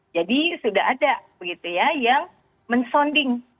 jadi sudah ada gitu ya yang mensonding